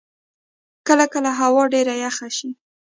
کله کله هوا ډېره یخه شی.